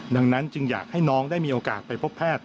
ดังนั้นจึงอยากให้น้องได้มีโอกาสไปพบแพทย์